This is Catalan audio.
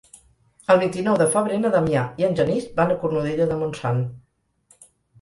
El vint-i-nou de febrer na Damià i en Genís van a Cornudella de Montsant.